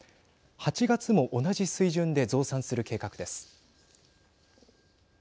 ８月も同じ水準で増産する計画です。